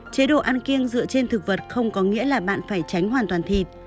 chế độ ăn kiêng dựa trên thực vật không có nghĩa là bạn phải tránh hoàn toàn thịt